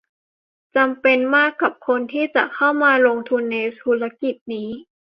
จำเป็นมากกับคนที่จะเข้ามาลงทุนในธุรกิจนี้